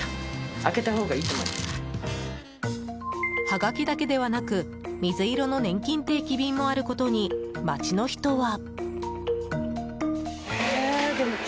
はがきだけではなく、水色のねんきん定期便もあることに街の人は。